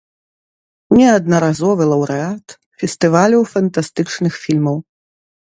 Неаднаразовы лаўрэат фестываляў фантастычных фільмаў.